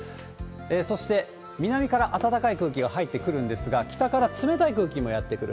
そして、南から暖かい空気が入ってくるんですが、北から冷たい空気もやって来る。